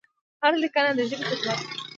هره لیکنه د ژبې خدمت دی.